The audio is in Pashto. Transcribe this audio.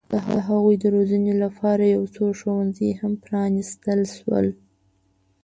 د هغوی د روزنې لپاره یو څو ښوونځي هم پرانستل شول.